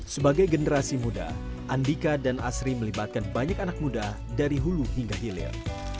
sebagai generasi muda andika dan asri melibatkan banyak anak muda dari hulu hingga hilir